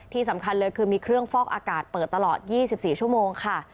ที่สำคัญเลยคือมีเครื่องฟอกอากาศเปิดตลอด๒๔ชั่วโมงค่ะ